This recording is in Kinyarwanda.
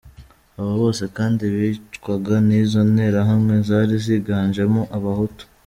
Abo bose kandi, bicwaga n’izo nterahamwe zari ziganjemo abahutu.